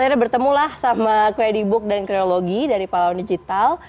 akhirnya bertemu lah sama qed book dan kriologi dari pahlawan digital